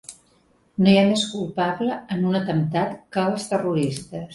No hi ha més culpable en un atemptat que els terroristes.